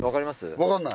分かんない。